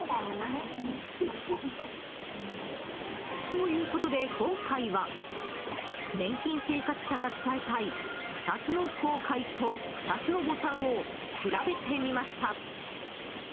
ということで今回は年金生活者が伝えたい２つの後悔と２つの誤算を調べてみました。